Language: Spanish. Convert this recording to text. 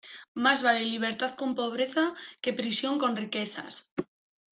Más vale libertad con pobreza, que prisión con riquezas.